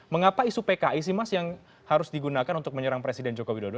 mengapa isu pki sih mas yang harus digunakan untuk menyerang presiden joko widodo